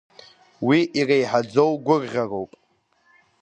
Уи иреиҳаӡоу гәырӷьароуп!